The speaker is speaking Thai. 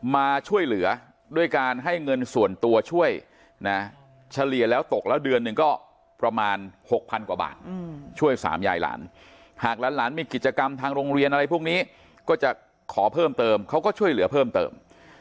มาช่วยเหลือด้วยการให้เงินส่วนตัวช่วยนะเฉลี่ยแล้วตกแล้วเดือนหนึ่งก็ประมาณ๖๐๐๐กว่าบาทช่วยสามยายหลานหากหลานมีกิจกรรมทางโรงเรียนอะไรพวกนี้ก็จะขอเพิ่มเติมเขาก็ช่วยเหลือเพิ่มเติม